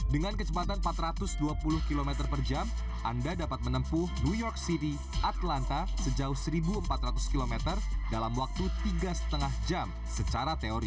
dengan kecepatan empat ratus dua puluh km per jam anda dapat menempuh new york city atlanta sejauh satu empat ratus km dalam waktu tiga lima jam secara teori